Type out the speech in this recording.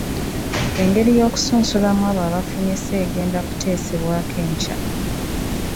Engeri y’okusunsulamu abo abafunyise egenda kuteesebwako enkya.